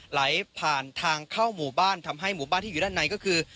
ไหลผ่านทางเข้าหมู่บ้านทำให้หมู่บ้านที่อยู่ด้านในก็คือ